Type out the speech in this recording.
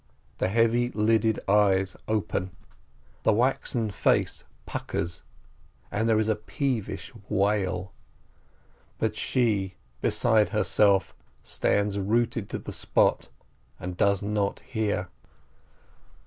The heavy lidded eyes open, the waxen face puckers, and there is a peevish wail. But she, beside herself, stands rooted to the spot, and does not hear.